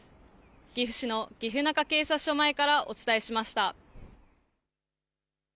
岐阜市の岐阜中警察署前からお伝えしました。